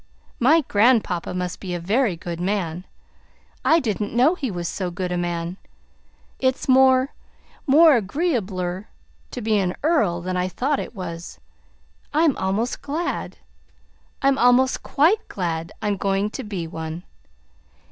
My grandpapa must be a very good man. I didn't know he was so good a man. It's more more agreeabler to be an earl than I thought it was. I'm almost glad I'm almost QUITE glad I'm going to be one."